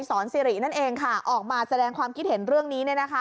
สิรินั่นเองค่ะออกมาแสดงความคิดเห็นเรื่องนี้